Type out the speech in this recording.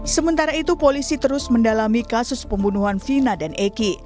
sementara itu polisi terus mendalami kasus pembunuhan vina dan eki